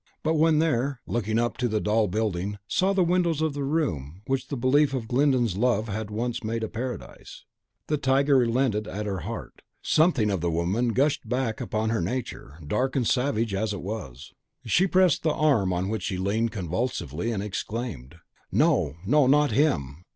But when she there, looking up to the dull building, saw the windows of the room which the belief of Glyndon's love had once made a paradise, the tiger relented at the heart; something of the woman gushed back upon her nature, dark and savage as it was. She pressed the arm on which she leaned convulsively, and exclaimed, "No, no! not him!